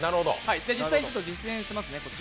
実際に実演します。